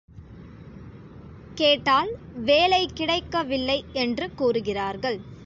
கேட்டால் வேலை கிடைக்கவில்லை என்று கூறுகிறார்கள்.